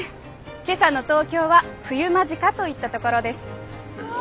今朝の東京は冬間近といったところです。わ！